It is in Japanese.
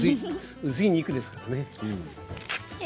薄い肉ですからね。